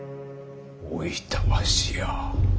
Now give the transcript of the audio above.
おいたわしや。